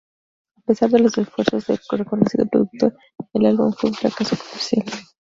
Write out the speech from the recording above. A pesar de los esfuerzos del reconocido productor, el álbum fue un fracaso comercial.